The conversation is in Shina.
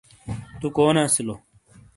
تٗو کونے اسیلو؟